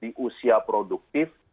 di usia produktif